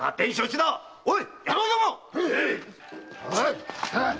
おい！